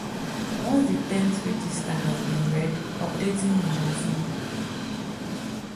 Once the tenths register has been read, updating will resume.